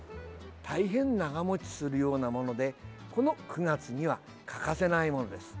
大変長持ちするようなものでこの９月には欠かせないものです。